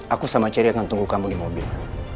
aku sama ceri akan tunggu kamu di mobil